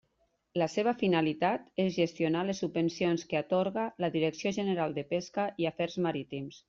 La seva finalitat és gestionar les subvencions que atorga la Direcció General de Pesca i Afers Marítims.